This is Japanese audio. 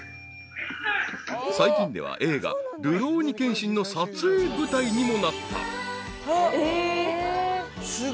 ［最近では映画『るろうに剣心』の撮影舞台にもなった］